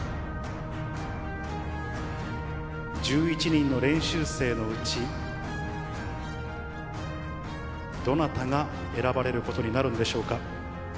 １１人の練習生のうち、どなたが選ばれることになるんでしょうか。